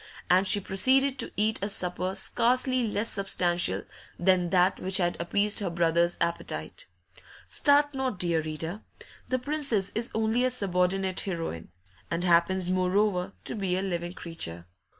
And she proceeded to eat a supper scarcely less substantial than that which had appeased her brother's appetite. Start not, dear reader; the Princess is only a subordinate heroine, and happens, moreover, to be a living creature.